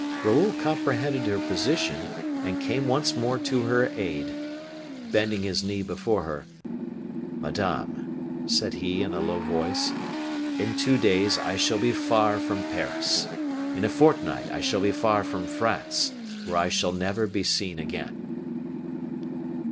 Raoul comprehended her position, and came once more to her aid. Bending his knee before her: "Madame!" said he, in a low voice, "in two days I shall be far from Paris; in a fortnight I shall be far from France, where I shall never be seen again."